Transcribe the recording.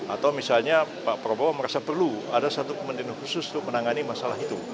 atau misalnya pak prabowo merasa perlu ada satu kementerian khusus untuk menangani masalah itu